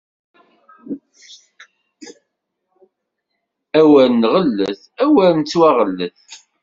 Awer nɣellet, awer nettwaɣellet!